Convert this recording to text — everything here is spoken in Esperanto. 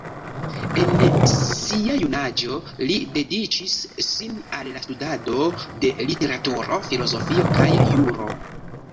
En sia junaĝo li dediĉis sin al la studado de literaturo, filozofio kaj juro.